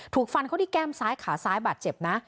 ถูกฟันเขาที่แก้มซ้ายขาซ้ายบาดเจ็บนะ